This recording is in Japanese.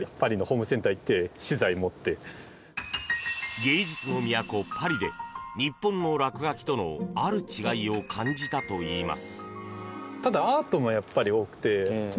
芸術の都、パリで日本の落書きとのある違いを感じたといいます。